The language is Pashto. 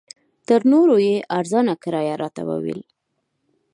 تر نورو یې ارزانه کرایه راته وویل.